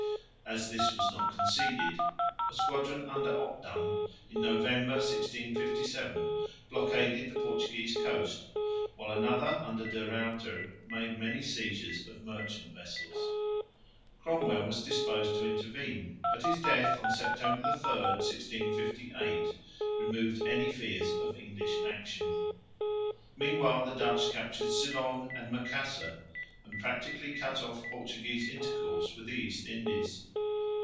As this was not conceded, a squadron under Obdam, November, 1657, blockaded the Portuguese coast, while another under De Ruyter made many seizures of merchant vessels. Cromwell was disposed to intervene, but his death on September 3,1658, removed any fears of English action. Meanwhile the Dutch captured Ceylon and Macassar and practically cut off Portuguese intercourse with the East Indies.